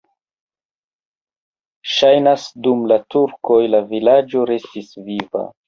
Ŝajnas, dum la turkoj la vilaĝo restis viva.